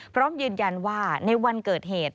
พร้อมยืนยันว่าในวันเกิดเหตุ